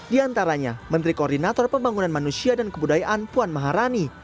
di antaranya menteri koordinator pembangunan manusia dan kebudayaan puan maharani